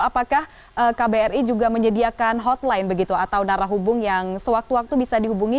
apakah kbri juga menyediakan hotline begitu atau narah hubung yang sewaktu waktu bisa dihubungi